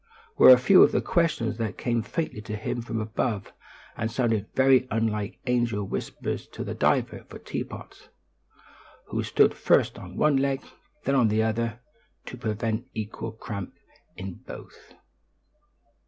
were a few of the questions that came faintly to him from above and sounded very unlike angel whispers to the diver for teapots, who stood first on one leg, then on the other, to prevent equal cramp in both.